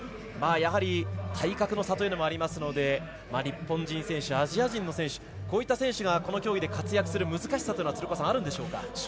やはり、体格の差もありますので日本人選手、アジア人の選手がこの競技で活躍する難しさは鶴岡さん、あるんでしょうか。